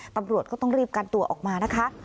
ตำรวจก็ต้องรีบกันตัวออกมานะคะ